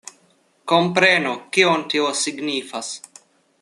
Komprenu, kion tio signifas!